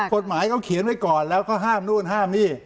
กฎหมายเขาเขียนไว้ก่อนแล้วเขาห้ามนู่นห้ามนี่